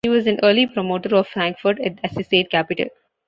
He was an early promoter of Frankfort as the state capital.